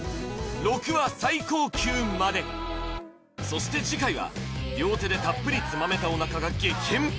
そして次回は両手でたっぷりつまめたおなかが激変！？